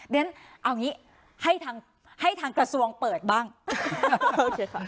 ด้วยนั้นเอาอย่างงี้ให้ทางให้ทางกระทรวงเปิดบ้างโอเคค่ะ